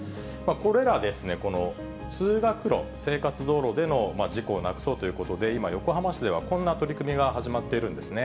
これらですね、この通学路、生活道路での事故をなくそうということで、今、横浜市ではこんな取り組みが始まっているんですね。